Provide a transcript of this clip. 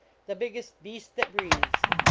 the biggest Ix u.^ t that breathes !